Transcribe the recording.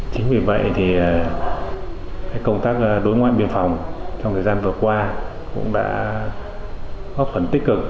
chính vì vậy công tác đối ngoại biên phòng trong thời gian vừa qua cũng đã góp phần tích cực